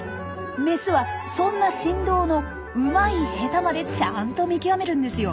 メスはそんな振動のうまい下手までちゃんと見極めるんですよ。